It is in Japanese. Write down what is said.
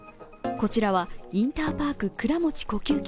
こちらはインターパーク倉持呼吸器